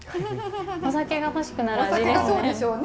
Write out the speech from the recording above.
お酒が欲しくなる味ですね！